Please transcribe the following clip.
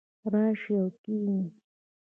راشئ او کښېنئ